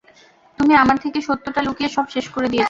তুমি আমার থেকে সত্যটা লুকিয়ে সব শেষ করে দিয়েছ।